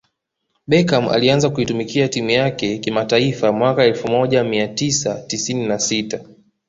Beckam alianza kuitumikia timu yake kimataifa mwaka elfu moja mia tisa tisini na sita